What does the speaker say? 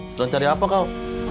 mau cari apa kau